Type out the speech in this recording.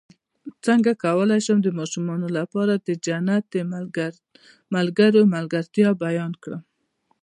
څنګه کولی شم د ماشومانو لپاره د جنت د ملګرو ملګرتیا بیان کړم